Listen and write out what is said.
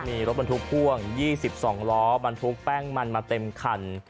มีรถบรรทุกพ่วง๒๒ล้อบรรทุกแป้งมันมาเต็มคัน